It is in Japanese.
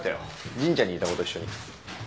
神社にいた子と一緒に。